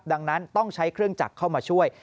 ดังนั้นต้องใช้เครื่องจักรเข้ามาช่วย